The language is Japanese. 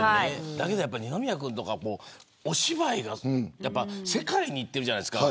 二宮君はお芝居が世界にいってるじゃないですか。